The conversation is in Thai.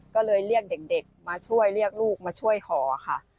ก็เลยเรียกเด็กมาช่วยเรียกลูกมาช่วยขอค่ะ